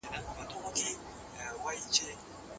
ټولنه د اصولو پابنده ده.